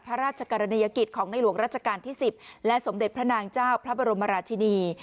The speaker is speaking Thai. พระราชกรณียกิจของในหลวงราชการที่๑๐และสมเด็จพระนางเจ้าพระบรมราชินี